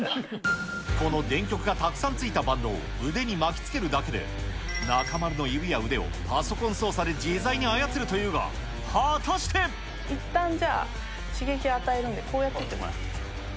この電極がたくさんついたバンドを腕に巻きつけるだけで、中丸の指や腕を、パソコン操作でいったん、じゃあ刺激を与えるんで、こうやっててもらっていいですか？